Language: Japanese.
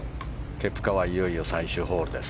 ケプカはいよいよ最終ホールです。